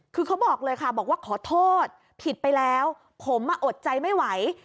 คือเขาบอกเลยค่ะบอกว่าขอโทษผิดไปแล้วผมอดใจไม่ไหว